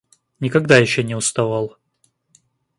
Никогда еще не уставал.